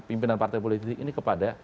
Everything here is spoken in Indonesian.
pimpinan partai politik ini kepada